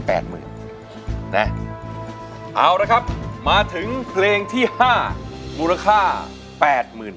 นะเอาละครับมาถึงเพลงที่ห้ามูลค่าแปดหมื่น